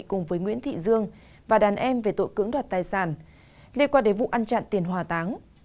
cùng với nguyễn thị dương và đàn em về tội cưỡng đoạt tài sản liên quan đến vụ ăn chặn tiền hòa táng